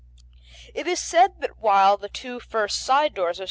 It is said that while the two first side doors of S.